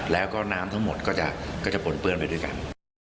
แล้วก็น้ำทั้งหมดก็จะปนเปื้อนไปด้วยกัน